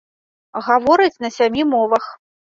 Гаворыць на сямі мовах.